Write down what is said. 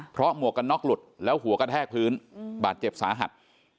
เพราะหมวกกันน็อกหลุดแล้วหัวกระแทกพื้นบาดเจ็บสาหัส